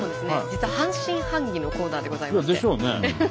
実は半信半疑のコーナーでございまして。でしょうね。